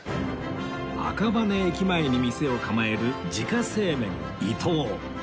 赤羽駅前に店を構える自家製麺伊藤